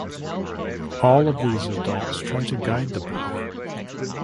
All of these adults try to guide the boy.